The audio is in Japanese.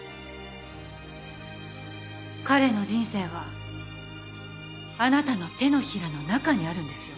彼の人生はあなたの手のひらの中にあるんですよ。